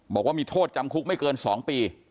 บอกว่ามีโทษจำคุกไม่เกิน๒ปี